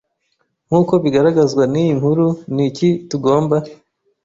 Nk uko bigaragazwa n iyi nkuru ni iki tugomba